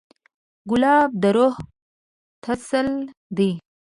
ګلاب د روح تسل دی.